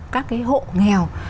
các cái hộ nghèo